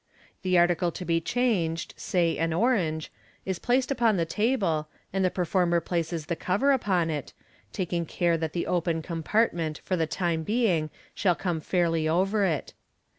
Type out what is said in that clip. The article to be changed (say an orange) is placed upon the table, and the performer places the cover upon it, taking care that the open compartment for the time being shall come fairly over it.